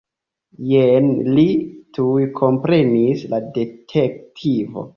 Jen li, tuj komprenis la detektivo.